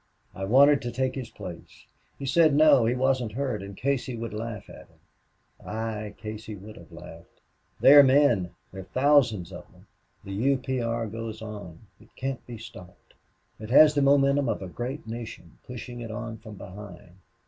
I wanted to take his place. He said, no, he wasn't hurt, and Casey would laugh at him. Aye, Casey would have laughed!.... They are men. There are thousands of them. The U. P. R. goes on. It can't be stopped. It has the momentum of a great nation pushing it on from behind....